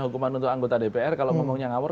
hukuman untuk anggota dpr kalau ngomongnya ngawur